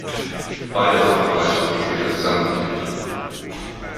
Beide Fachbereiche wurden später zusammengelegt.